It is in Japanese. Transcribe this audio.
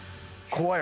怖い